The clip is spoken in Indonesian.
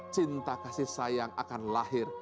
cinta kasih sayang akan lahir